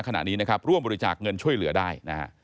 ขณะนี้ร่วมบริจาคเงินช่วยเหลือได้